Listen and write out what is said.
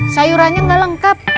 sayurannya gak lengkap